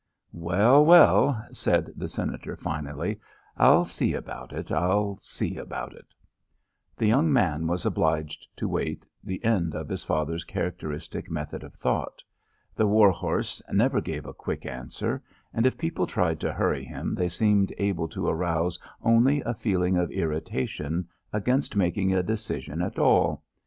"Well, well," said the Senator finally. "I'll see about it. I'll see about it." The young man was obliged to await the end of his father's characteristic method of thought. The war horse never gave a quick answer, and if people tried to hurry him they seemed able to arouse only a feeling of irritation against making a decision at all.